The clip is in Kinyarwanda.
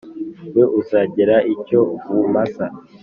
We uzagira icyo awumaza !"